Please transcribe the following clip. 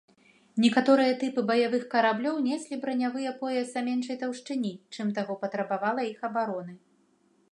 Некаторыя тыпы баявых караблёў неслі бранявыя пояса меншай таўшчыні, чым таго патрабавала іх абароны.